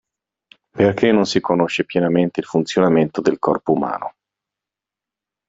Perché non si conosce pienamente il funzionamento del corpo umano.